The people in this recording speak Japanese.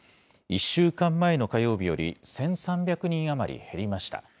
１週間前の火曜日より１３００人余り減りました。